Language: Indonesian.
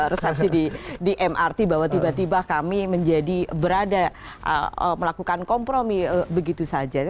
resepsi di mrt bahwa tiba tiba kami menjadi berada melakukan kompromi begitu saja